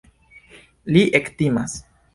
Li ektimas.